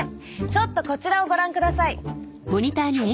ちょっとこちらをご覧ください。